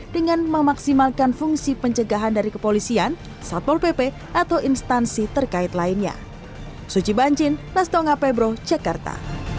dengan memaksimalkan fungsi pencegahan dari kepolisian satpol pp atau instansi terkait lainnya